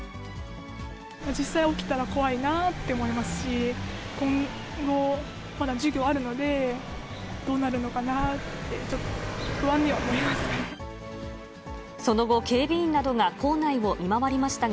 実際起きたら怖いなって思いますし、今後、また授業あるので、どうなるのかなって、ちょっと不安には思いますね。